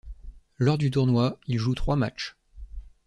Lors du tournoi, il joue trois matchs.